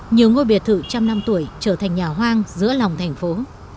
nhiều ngôi biệt thự trăm năm tuổi trở thành nhà hoang giữa lòng thành phố